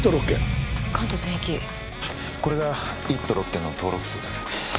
これが１都６県の登録数です。